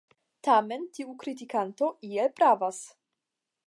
Tamen tiu kritikanto iel pravas.